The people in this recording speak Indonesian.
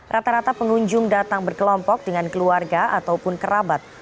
rata rata pengunjung datang berkelompok dengan keluarga ataupun kerabat